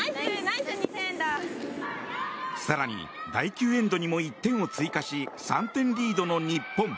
更に、第９エンドにも１点を追加し３点リードの日本。